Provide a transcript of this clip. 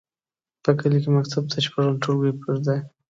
په کلي کې مکتب تر شپږم ټولګي پورې دی.